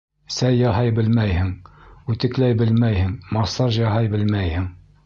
Сәй яһай белмәйһең, үтекләй белмәйһең, массаж яһай белмәйһең!